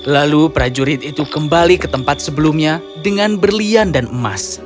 lalu prajurit itu kembali ke tempat sebelumnya dengan berlian dan emas